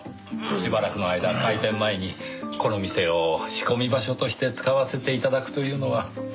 しばらくの間開店前にこの店を仕込み場所として使わせて頂くというのは。